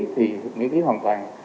thì miễn phí hoàn toàn